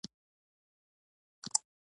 په تندي هم ګونځې ګونځې راښکاره شوې